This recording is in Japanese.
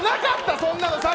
そんなの！